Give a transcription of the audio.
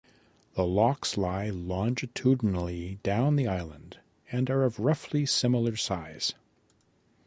The lochs lie longitudinally down the island and are of roughly similar size.